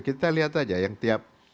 kita lihat aja yang tiap